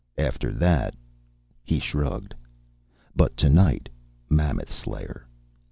After that " He shrugged. "But tonight, Mammoth Slayer."